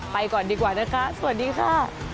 ก่อนดีกว่านะคะสวัสดีค่ะ